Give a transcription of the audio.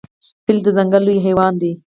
فیل د ځنګل لوی حیوان دی.